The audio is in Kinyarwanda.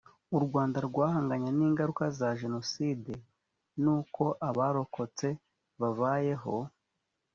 u rwanda rwahanganye n ingaruka za jenoside n uko abarokotse babayeho